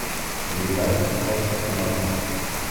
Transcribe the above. Yuba txuṣṣ-as Mary.